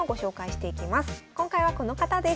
今回はこの方です。